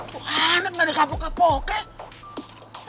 tuhan gak ada kapok kapoknya